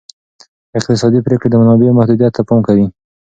اقتصادي پریکړې د منابعو محدودیت ته پام کوي.